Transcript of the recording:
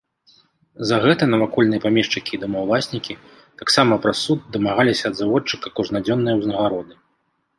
За гэта навакольныя памешчыкі і домаўласнікі таксама праз суд дамагаліся ад заводчыка кожнадзённае ўзнагароды.